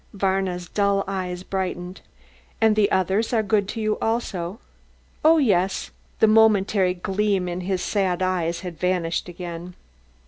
Varna's dull eyes brightened. "And the others are good to you also?" "Oh, yes." The momentary gleam in the sad eye had vanished again.